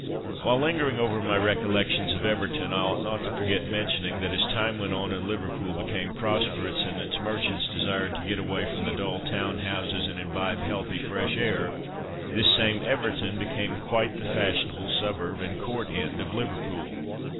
While lingering over my "Recollections" of Everton, I ought not to forget mentioning that, as time went on and Liverpool became prosperous, and its merchants desired to get away from the dull town houses and imbibe healthy, fresh air, this same Everton became quite the fashionable suburb and court end of Liverpool.